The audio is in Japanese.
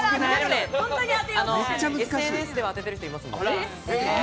ＳＮＳでは当ててる人がいます。